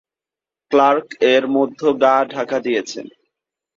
Clerk এরই মধ্যে গা ঢাকা দিয়েছে।